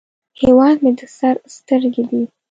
هیواد مې د سر سترګې دي